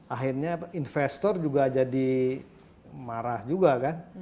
akhirnya investor juga jadi marah juga kan